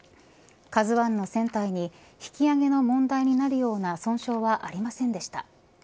ＫＡＺＵ１の船体に引き揚げの問題になるような損傷はありませんでした。